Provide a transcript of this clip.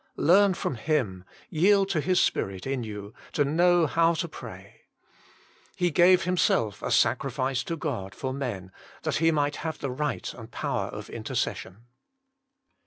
Learn from Him, yield to His Spirit in you, to know how to pray. He gave Himself a sacrifice to God for men, that He might have the right and power of intercession.